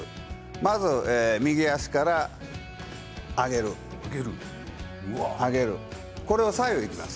まず右足から上げる、これを左右いきます。